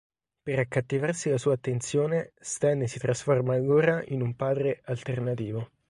Per accattivarsi la sua attenzione, Stan si trasforma allora in un padre "alternativo".